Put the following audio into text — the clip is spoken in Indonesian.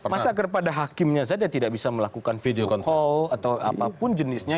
masa kepada hakimnya saja tidak bisa melakukan video call atau apapun jenisnya